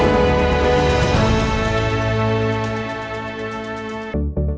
terima kasih pak rujito